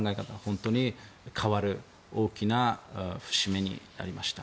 本当に変わる大きな節目になりました。